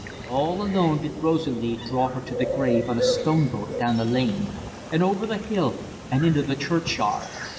All alone did Rosalie draw her to the grave on a stone boat down the lane, an' over the hill, an' into the churchyard.